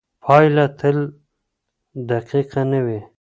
پایله تل دقیقه نه وي.